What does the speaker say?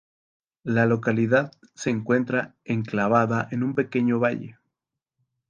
La localidad se encuentra enclavada en un pequeño valle.